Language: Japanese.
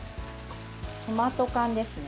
トマト缶ですね。